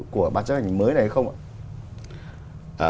của bàn chấp hành mới này không ạ